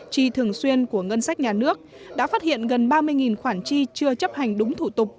chi thường xuyên của ngân sách nhà nước đã phát hiện gần ba mươi khoản chi chưa chấp hành đúng thủ tục